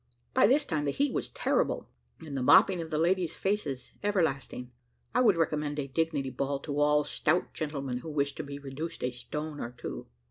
By this time the heat was terrible, and the mopping of the ladies' faces everlasting. I would recommend a DIGNITY ball to all stout gentlemen, who wish to be reduced a stone or two.